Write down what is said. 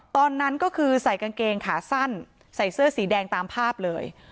ตอนนั้นก็คือใส่กางเกงขาสั้นใส่เสื้อสีแดงตามภาพเลย